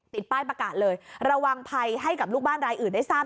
ป้ายประกาศเลยระวังภัยให้กับลูกบ้านรายอื่นได้ทราบ